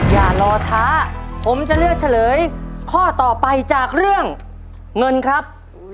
อย่ารอช้าผมจะเลือกเฉลยข้อต่อไปจากเรื่องเงินครับ